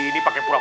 ini pake pulang